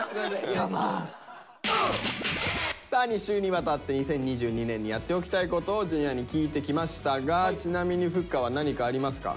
さあ２週にわたって「２０２２年にやっておきたいこと」をＪｒ．に聞いてきましたがちなみにふっかは何かありますか？